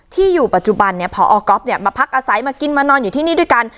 อยู่ปัจจุบันเนี่ยพอก๊อฟเนี่ยมาพักอาศัยมากินมานอนอยู่ที่นี่ด้วยกัน